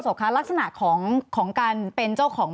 สวัสดีครับทุกคน